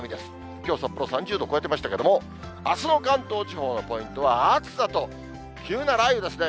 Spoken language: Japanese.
きょう、札幌３０度超えてましたけれども、あすの関東地方のポイントは暑さと急な雷雨ですね。